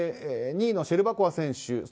２位のシェルバコワ選手